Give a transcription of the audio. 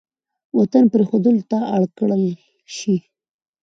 وطـن پـرېښـودو تـه اړ کـړل شـي.